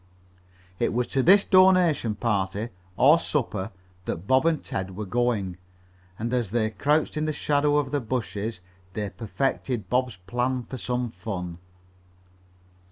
It was to this donation party, or supper, that Bob and Ted were going, and as they crouched in the shadow of the bushes they perfected Bob's plan for some fun.